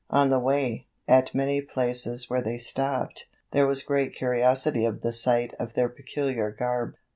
On the way, at many places where they stopped, there was great curiosity at the sight of their peculiar garb.